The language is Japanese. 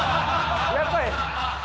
やっぱり。